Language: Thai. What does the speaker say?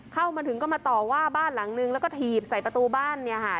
เข้ามาถึงก็มาต่อว่าบ้านหลังนึงแล้วก็ถีบใส่ประตูบ้านเนี่ยค่ะ